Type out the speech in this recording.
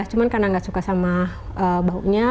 cuma karena nggak suka sama baunya